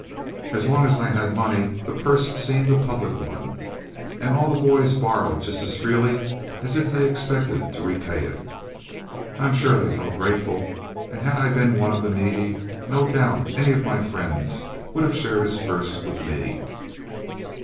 As long as I had money the purse seemed a public one, and all the boys borrowed just as freely as if they expected to repay it. I am sure they felt grateful, and had I been one of the needy no doubt any of my friends would have shared his purse with me.